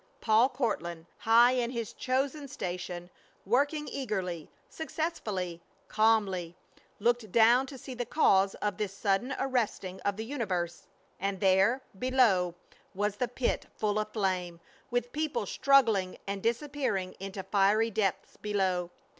Paul Courtland, high in his chosen station, working eagerly, successfully, calmly, looked down to see the cause of this sudden arresting of the universe; and there, below, was the pit full of flame, with people struggling and disappearing into fiery depths below.